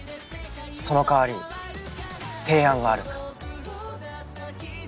その代わり提案がある。